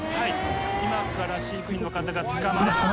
今から飼育員の方が捕まえます。